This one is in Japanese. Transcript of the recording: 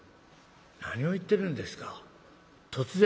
何を言ってるんですか。